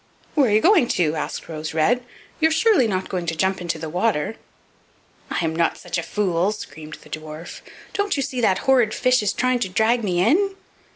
"Where are you going to?" asked Rose red; "you're surely not going to jump into the water?" "I'm not such a fool," screamed the dwarf. "Don't you see that cursed fish is trying to drag me in?"